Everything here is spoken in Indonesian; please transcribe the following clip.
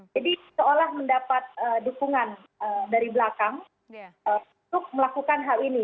seolah mendapat dukungan dari belakang untuk melakukan hal ini